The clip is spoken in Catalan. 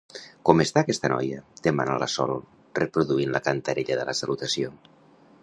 Com està aquesta noia? —demana la Sol, reproduint la cantarella de la salutació.